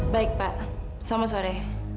baik pak selamat sore